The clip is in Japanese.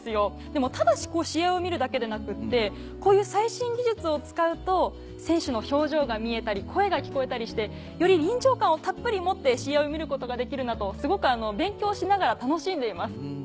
でもただ試合を見るだけでなくってこういう最新技術を使うと選手の表情が見えたり声が聞こえたりしてより臨場感をたっぷり持って試合を見ることができるなとすごく勉強しながら楽しんでいます。